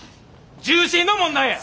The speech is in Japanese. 重心の問題や！